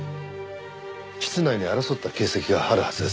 室内に争った形跡があるはずです。